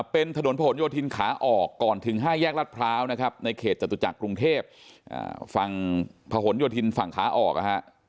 เป็นถนนผนโยธินขาออกก่อนถึง๕แยกรัฐพร้าวนะครับในเขตจตุจักรกรุงเทพฝั่งพะหนโยธินฝั่งขาออกนะฮะ